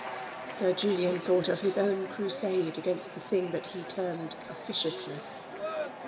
Sir Julian thought of his own crusade against the thing that he termed officiousness.